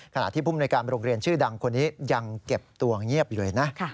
ขณะที่ภูมิในการโรงเรียนชื่อดังคนนี้ยังเก็บตัวเงียบอยู่เลยนะ